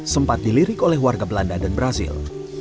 sempat dilirik oleh warga belanda dan brazil